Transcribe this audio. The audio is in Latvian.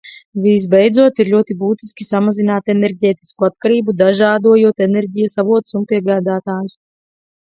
Visbeidzot, ir ļoti būtiski samazināt enerģētisko atkarību, dažādojot enerģijas avotus un piegādātājus.